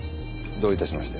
どういたしまして。